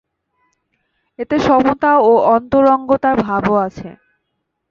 এতে সমতা ও অন্তরঙ্গতার ভাবও আছে।